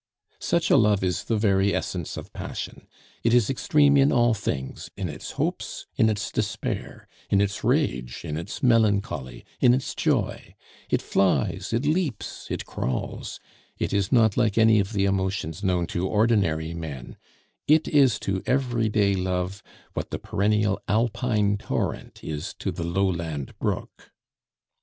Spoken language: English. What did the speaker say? Such a love is the very essence of passion. It is extreme in all things, in its hopes, in its despair, in its rage, in its melancholy, in its joy; it flies, it leaps, it crawls; it is not like any of the emotions known to ordinary men; it is to everyday love what the perennial Alpine torrent is to the lowland brook.